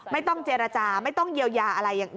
ไม่ต้องเจรจาไม่ต้องเยียวยาอะไรอย่าง